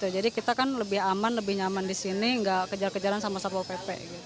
jadi kita kan lebih aman lebih nyaman di sini enggak kejar kejaran sama sebuah pp